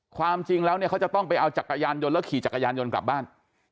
ความจริงแล้วเนี่ยเขาจะต้องไปเอาจักรยานยนต์แล้วขี่จักรยานยนต์กลับบ้าน